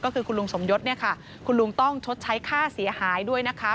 ก็คือคุณลุงสมยศเนี่ยค่ะคุณลุงต้องชดใช้ค่าเสียหายด้วยนะคะ